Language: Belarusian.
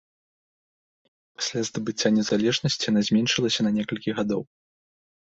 Пасля здабыцця незалежнасці яна зменшылася на некалькі гадоў.